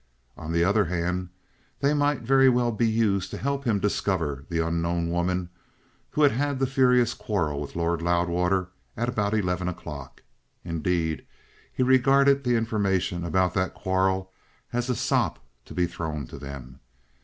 On the other hand, they might very well be used to help him discover the unknown woman who had had the furious quarrel with Lord Loudwater at about eleven o'clock. Indeed, he regarded the information about that quarrel as a sop to be thrown to them.